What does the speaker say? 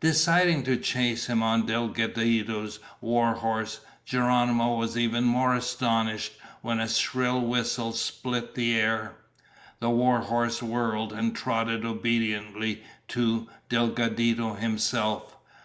Deciding to chase him on Delgadito's war horse, Geronimo was even more astonished when a shrill whistle split the air. The war horse whirled and trotted obediently to Delgadito himself!